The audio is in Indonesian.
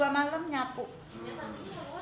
sampai pagi kadang nyapu jam dua malam nyapu